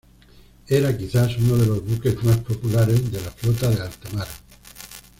Era quizás uno de los buques más populares de la Flota de Alta Mar.